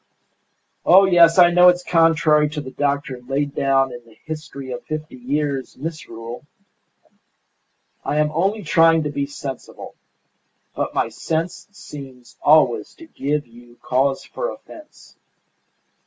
"Oh, yes, I know it's contrary to the doctrine laid down in the 'History of Fifty Years' Misrule.' I am only trying to be sensible. But my sense seems always to give you cause for offence.